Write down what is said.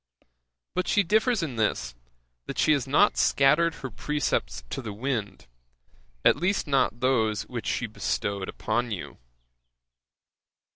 But she differs in this, that she has not scattered her precepts in the wind, at least not those which she bestowed upon you.